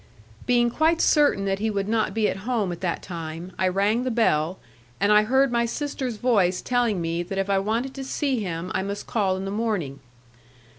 Being quite certain that he would not be at home at that time, I rang the bell, and I heard my sister's voice telling me that if I wanted to see him I must call in the morning.